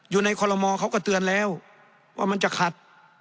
อยู่ในคอลโมเขาก็เตือนแล้วว่ามันจะขัด